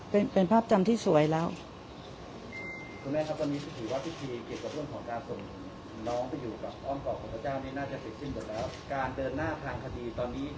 เป็นเป็นภาพจำที่สวยแล้วคุณแม่ครับตอนนี้สถิวะพิธีเกี่ยวกับเรื่องของการส่งน้องไปอยู่กับอ้อมเกาะของพระเจ้านี่น่าจะเป็นที่หมดแล้ว